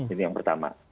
ini yang pertama